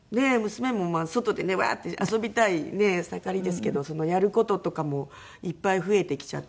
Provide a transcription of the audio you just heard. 娘もまあ外でねワーッて遊びたい盛りですけどやる事とかもいっぱい増えてきちゃって。